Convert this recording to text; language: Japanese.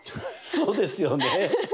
そうですよね。